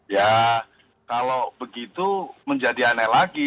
ya kalau begitu menjadi aneh lagi